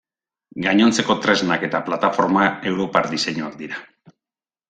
Gainontzeko tresnak et Plataforma europar diseinuak dira.